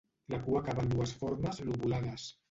La cua acaba en dues formes lobulades.